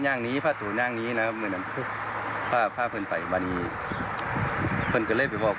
ข้างนี้ค่ะสู่แยมนี้นะ